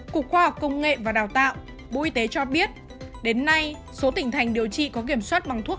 cục khoa học công nghệ và đào tạo cho biết đến nay số tỉnh thành điều trị có kiểm soát bằng thuốc